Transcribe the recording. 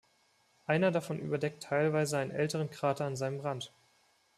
Einer davon überdeckt teilweise einen älteren Krater an seinem Rand.